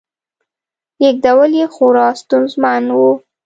لېږدول یې خورا ستونزمن و